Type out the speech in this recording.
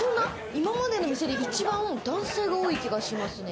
今までのお店で一番男性が多い気がしますね。